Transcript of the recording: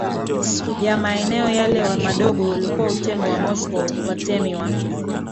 ya maeneo yale madogo ulikuwa utemi wa Moscow Watemi wa